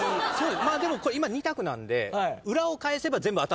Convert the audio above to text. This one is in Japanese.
まあでもこれ２択なんで。